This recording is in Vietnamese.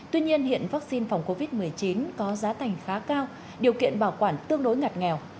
tuy nhiên hiện vaccine phòng covid một mươi chín có giá thành khá cao điều kiện bảo quản tương đối ngặt nghèo